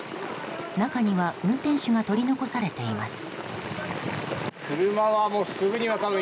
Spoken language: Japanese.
中には運転手が取り残されています。